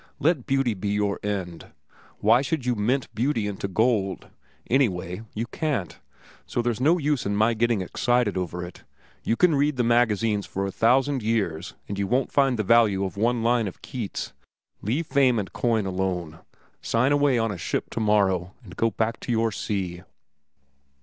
Let beauty be your end. Why should you mint beauty into gold? Anyway, you can't; so there's no use in my getting excited over it. You can read the magazines for a thousand years and you won't find the value of one line of Keats. Leave fame and coin alone, sign away on a ship to morrow, and go back to your sea."